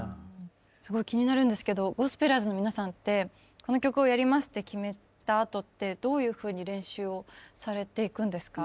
すごい気になるんですけどゴスペラーズの皆さんってこの曲をやりますって決めたあとってどういうふうに練習をされていくんですか？